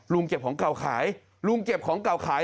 เก็บของเก่าขายลุงเก็บของเก่าขาย